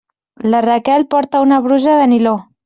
La Raquel porta una brusa de niló.